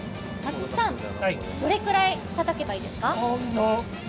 どれくらいたたけばいいですか？